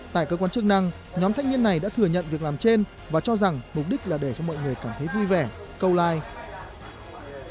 tại cơ quan chức năng nhóm thanh niên này đã thừa nhận việc làm trên và cho rằng mục đích là để cho mọi người cảm thấy vui vẻ câu like